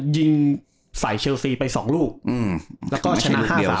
ยิงสายเชลซีไป๒ลูกแล้วก็ชนะ๕๓